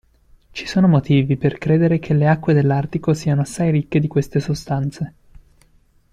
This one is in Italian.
Ci sono motivi per credere che le acque dell'Artico siano assai ricche di queste sostanze.